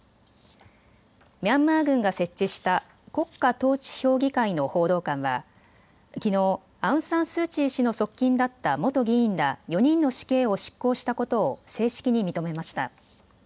ミャンマー軍が設置した国家統治評議会の報道官はきのう、アウン・サン・スー・チー氏の側近だった元議員ら４人の死刑を執行したことを正式に認めました。